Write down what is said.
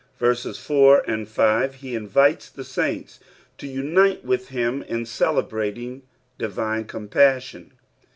Verses i and S he inui^ Ihe saints to unife with him In celebrating divine compassioTi.